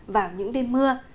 vào những đêm mưa